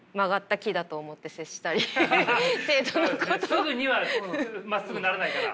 すぐにはまっすぐにならないから。